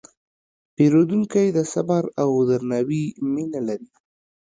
پیرودونکی د صبر او درناوي مینه لري.